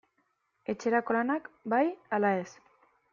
Etxerako lanak bai ala ez?